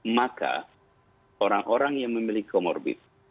maka orang orang yang memiliki comorbid